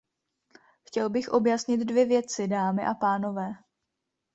Chtěl bych objasnit dvě věci, dámy a pánové.